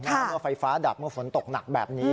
เมื่อไฟฟ้าดับเมื่อฝนตกหนักแบบนี้